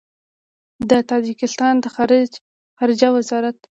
د تاجکستان د خارجه وزارت